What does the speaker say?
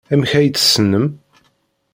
Amek ay t-tessnem?